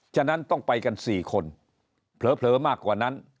ฉะนั้นต้องไปกัน๔คนเผลอมากกว่านั้น